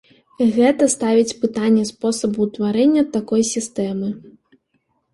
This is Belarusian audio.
Гэта ставіць пытанне спосабу ўтварэння такой сістэмы.